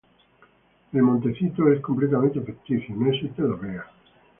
El Montecito es completamente ficticio, no existe en Las Vegas.